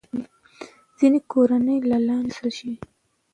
ځینې کورونه لا نه دي وصل شوي.